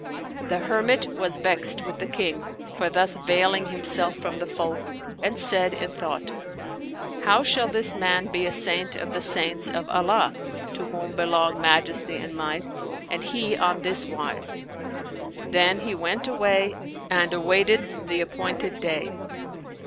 The hermit was vexed with the King for thus veiling himself from the folk and said in thought, "How shall this man be a saint of the saints of Allah (to whom belong Majesty and Might!) and he on this wise?" Then he went away and awaited the appointed day.